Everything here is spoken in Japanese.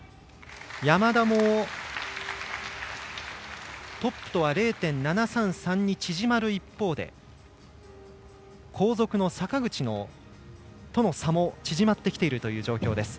山田もトップとは０．７３３に縮まる一方で後続の坂口との差も縮まってきているという状況です。